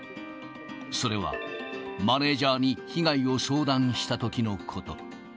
それは、マネージャーに被害を相談したときのこと。